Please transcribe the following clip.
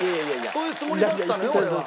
そういうつもりだったのよ俺は。